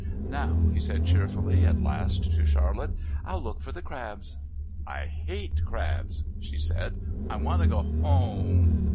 "Now," he said cheerfully at last, to Charlotte, "I'll look for the crabs." "I hate crabs," she said. "I want to go home."